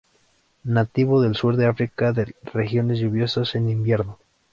Nativo del sur de África de regiones lluviosas en invierno.